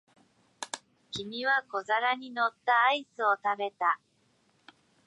君は小皿に乗ったアイスを食べた。